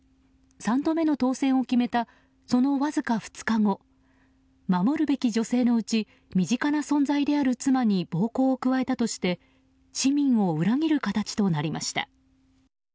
３度目の当選を決めたそのわずか２日後守るべき女性のうち身近な存在である妻に暴行を加えたとして市民を裏切る形となりました。